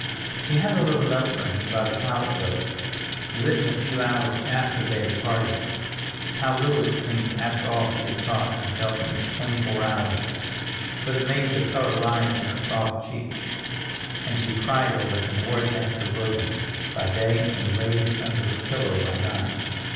She had a little note from him by the pilot boat, written a few hours after they had parted; how little it seemed after all she had thought and felt in this twenty four hours! But it made the color rise in her soft cheeks, and she cried over it and wore it next her bosom by day and laid it under her pillow by night.